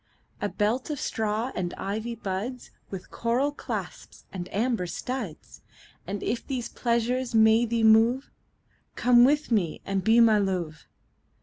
A belt of straw and ivy buds With coral clasps and amber studs: And if these pleasures may thee move, Come live with me and be my Love.